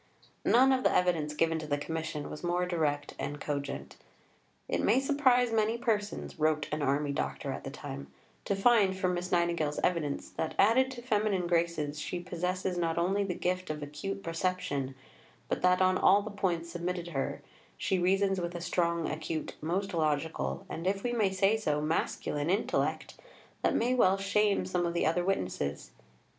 None of the evidence given to the Commission was more direct and cogent. "It may surprise many persons," wrote an army doctor at the time, "to find, from Miss Nightingale's evidence that, added to feminine graces, she possesses, not only the gift of acute perception, but that, on all the points submitted to her, she reasons with a strong, acute, most logical, and, if we may say so, masculine intellect, that may well shame some of the other witnesses.